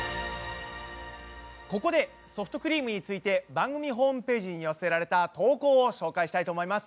ここでソフトクリームについて番組ホームページに寄せられた投稿を紹介したいと思います！